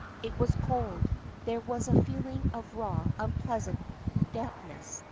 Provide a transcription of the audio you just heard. It was cold; there was a feeling of raw, unpleasant dampness.